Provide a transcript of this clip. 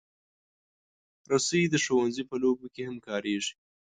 رسۍ د ښوونځي په لوبو کې هم کارېږي.